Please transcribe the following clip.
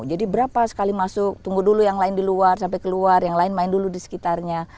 jadi berapa sekali masuk tunggu dulu yang lain di luar sampai keluar yang lain main dulu di sekitarnya